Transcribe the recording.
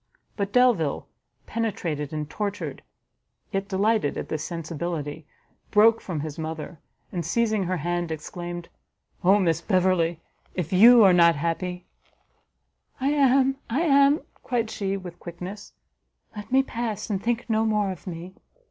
But Delvile, penetrated and tortured, yet delighted at this sensibility, broke from his mother, and seizing her hand, exclaimed, "Oh Miss Beverley, if you are not happy " "I am! I am!" cried she, with quickness; "let me pass, and think no more of me."